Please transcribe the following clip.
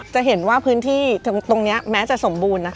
จะเห็นว่าพื้นที่ตรงนี้แม้จะสมบูรณ์